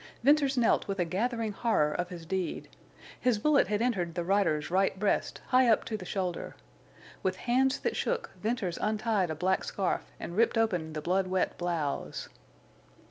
Venters knelt with a gathering horror of his deed. His bullet had entered the rider's right breast, high up to the shoulder. With hands that shook, Venters untied a black scarf and ripped open the blood wet blouse.